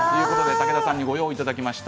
武田さんにご用意いただきました。